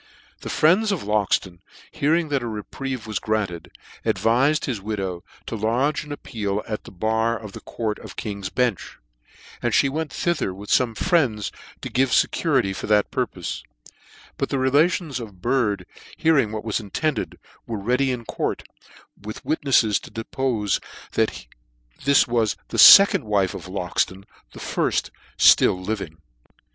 The friends of Loxton hearing that a reprieve^ \v;;s granted, advifed his widow to lodge an appeal at the bar of the court of King's B&nch 3 and me went thither with fomc friends, to give fecurity for that purpofe ; but the relations of Bird hear ing what was intended, were ready in court, with AvitneiTes to depofe that this was "the fccond wife of' Loxton, his firft being ilill living.